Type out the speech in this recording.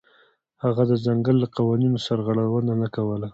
هغه د ځنګل له قوانینو سرغړونه نه کوله.